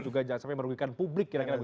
jangan sampai merugikan publik